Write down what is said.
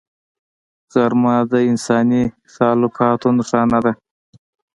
غرمه د انساني تعلقاتو نښانه ده